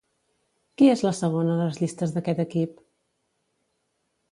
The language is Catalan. Qui és la segona en les llistes d'aquest equip?